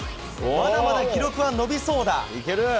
まだまだ記録は伸びそうだ。